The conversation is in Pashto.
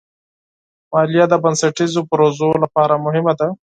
مالیه د بنسټیزو پروژو لپاره مهمه ده.